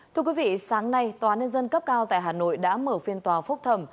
thưa quý vị sáng nay tòa án nhân dân cấp cao tại hà nội đã mở phiên tòa phốc thầm